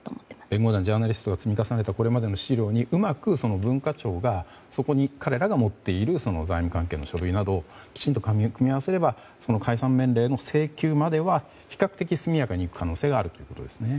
弁護団、ジャーナリストがこれまで積み上げた資料にうまく、文化庁が彼らが持っている財務関係の書類などをきちんと組み合わせれば解散命令の請求までは比較的速やかに行く可能性があるということですね。